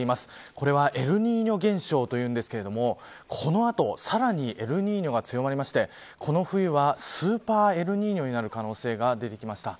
これはエルニーニョ現象というんですけどこの後、さらにエルニーニョは強まりましてこの冬はスーパーエルニーニョになる可能性が出てきました。